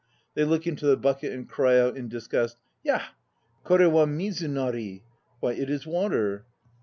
They look into the bucket and cry in disgust: Ya! Kore wa mizu nari! "Why, it is water!"